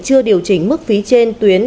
chưa điều chỉnh mức phí trên tuyến